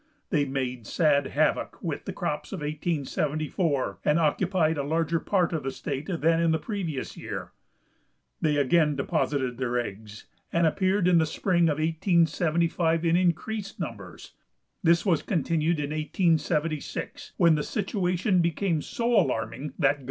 They made sad havoc with the crops of 1874, and occupied a larger part of the state than in the previous year. They again deposited their eggs, and appeared in the spring of 1875 in increased numbers. This was continued in 1876, when the situation became so alarming that Gov.